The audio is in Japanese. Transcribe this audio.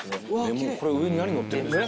これ上に何のってるんですか？